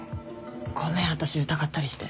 ごめん私疑ったりして。